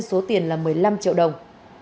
số tiền là một mươi năm triệu đồng